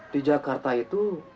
di jakarta itu